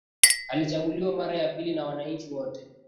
Alichaguliwa mara ya pili na wananchi wote